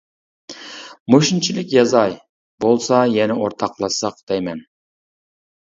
مۇشۇنچىلىك يازاي، بولسا يەنە ئورتاقلاشساق دەيمەن.